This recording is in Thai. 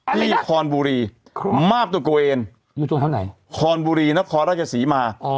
ที่คอนบุรีมาบตะโกเอนอยู่ตรงทั้งไหนคอนบุรีนะคอรัชศรีมา